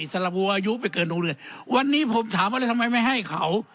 สระบัวอายุไปเกินโรงเรียนวันนี้ผมถามว่าแล้วทำไมไม่ให้เขา